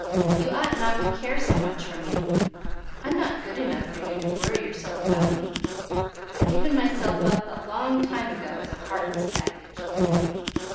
"You ought not to care so much for me; I'm not good enough for you to worry yourself about me. I've given myself up a long time ago as a heartless baggage!"